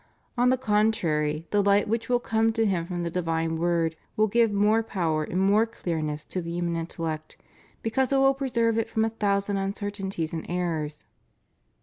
On the contrary, the light which will come to him from the divine Word will give more power and more clearness to the human intellect, because it will preserve it from a thousand uncertainties and errors.